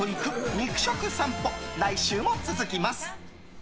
肉食さんぽ来週も続きます。